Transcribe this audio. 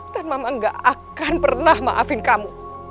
dan mama gak akan pernah maafin kamu